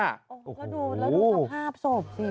สวยสวยสวยสวยสวยสวย